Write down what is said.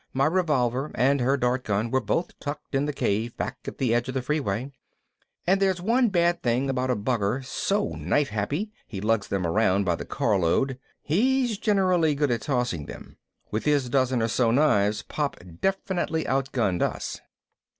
My revolver and her dart gun were both tucked in the cave back at the edge of the freeway. And there's one bad thing about a bugger so knife happy he lugs them around by the carload he's generally good at tossing them. With his dozen or so knives Pop definitely outgunned us.